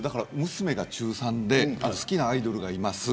娘が中３で好きなアイドルがいます。